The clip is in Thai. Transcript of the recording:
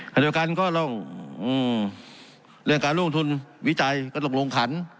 ประโยคก็เรื่องการร่วมลงทุนวิจัยก็ต้องจัดลงขัน